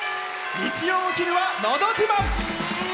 日曜お昼は「のど自慢」。